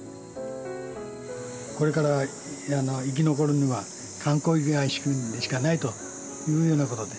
これから生き残るには観光しかないというようなことで。